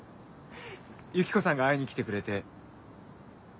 ユキコさんが会いに来てくれて。